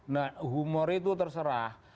nah humor itu terserah